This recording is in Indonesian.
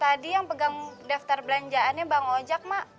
tadi yang pegang daftar belanjaannya bang ojek mak